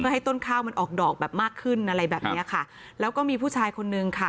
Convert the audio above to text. ให้ต้นข้าวมันออกดอกแบบมากขึ้นอะไรแบบเนี้ยค่ะแล้วก็มีผู้ชายคนนึงค่ะ